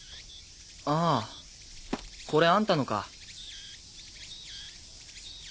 あぁこれあんたのか。